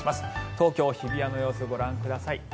東京・日比谷の様子ご覧ください。